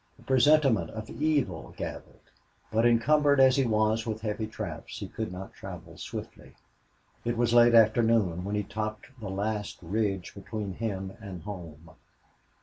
A presentiment of evil gathered. But, encumbered as he was with heavy traps, he could not travel swiftly. It was late afternoon when he topped the last ridge between him and home.